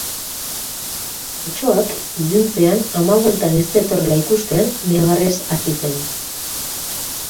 Otsoak, iluntzean ama bueltan ez zetorrela ikustean, negarrez hasi zen.